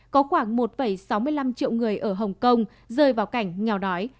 có khoảng một sáu mươi năm triệu người ở hồng kông rơi vào cảnh nghèo đói